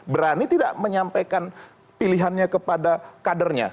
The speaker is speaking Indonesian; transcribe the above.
berani tidak menyampaikan pilihannya kepada kadernya